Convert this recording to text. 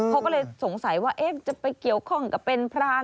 เขาก็เลยสงสัยว่าจะไปเกี่ยวข้องกับเป็นพราน